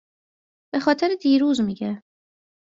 به خاطر دیروز می گه